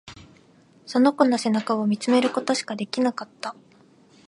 その子の背中を見つめることしかできなかった。